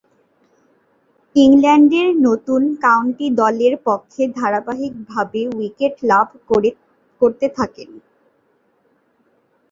ইংল্যান্ডের নতুন কাউন্টি দলের পক্ষে ধারাবাহিকভাবে উইকেট লাভ করতে থাকেন।